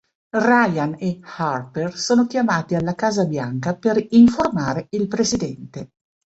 Ryan e Harper sono chiamati alla Casa Bianca per informare il presidente.